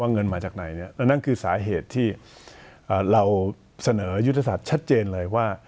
เงินมาจากไหนแล้วนั่นคือสาเหตุที่เราเสนอยุทธศาสตร์ชัดเจนเลยว่า